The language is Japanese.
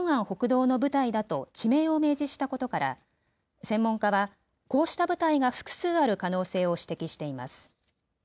北道の部隊だと地名を明示したことから専門家はこうした部隊が複数ある可能性を指摘しています。